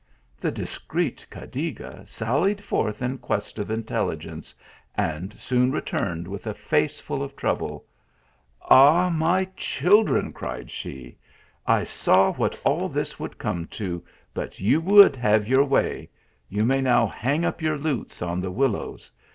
The discreet Cadiga sallied forth in quest of intelligence, and soon returned with a face full of trouble. "Ah, my children !" cried she, " I saw what all this would come to, but you would have your way ; you may now hang up your lutes on the willows.